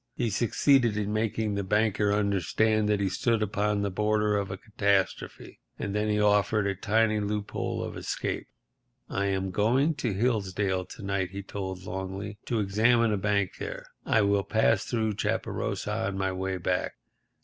He succeeded in making the banker understand that he stood upon the border of a catastrophe. And then he offered a tiny loophole of escape. "I am going to Hilldale's to night," he told Longley, "to examine a bank there. I will pass through Chaparosa on my way back.